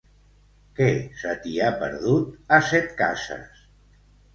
Què se t'hi ha perdut, a Setcases?